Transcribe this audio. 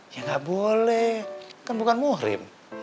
ya gak boleh kan bukan muhrim